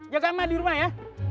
jaga emak di rumah ya